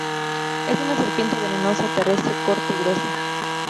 Es una serpiente venenosa terrestre corta y gruesa.